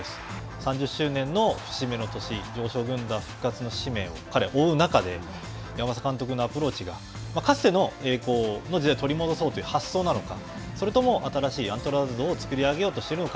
３０周年の節目の年常勝軍団復活の使命を彼は追う中で岩政監督のアプローチがかつての栄光の時代を取り戻そうという発想なのか、それとも新しいアントラーズを作りだそうとしてるのか。